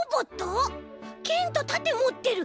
けんとたてもってる。